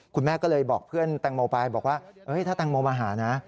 คุณแม่ก็เลยบอกเพื่อนแตงโมไปบอกว่าถ้าแตงโมมาหานะ